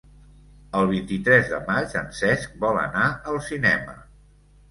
El vint-i-tres de maig en Cesc vol anar al cinema.